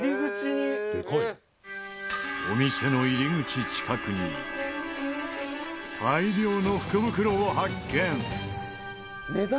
お店の入り口近くに大量の福袋を発見！